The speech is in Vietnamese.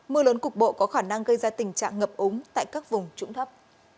mưa lớn cục bộ có khả năng gây ra tình trạng ngập úng tại các vùng trũng thấp